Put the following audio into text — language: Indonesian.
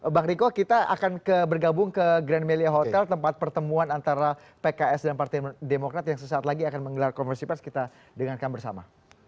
bang riko kita akan bergabung ke grand melia hotel tempat pertemuan antara pks dan partai demokrat yang sesaat lagi akan menggelar konversi pers kita dengarkan bersama